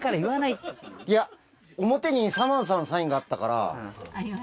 いや表にさまぁずさんのサインがあったから。